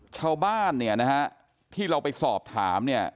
ชาวบ้านที่เราไปสอบถาม